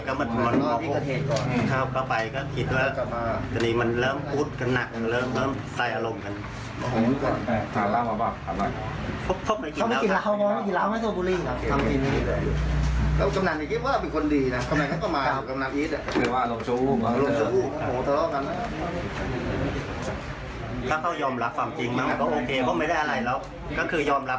ก็คือยอมรับสำนักว่าเขาทำผิดที่จริงนั้นประมาณสองสัตว์หนัก